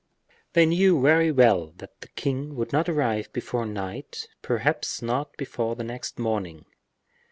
They knew very well that the king would not arrive before night, perhaps not before the next morning.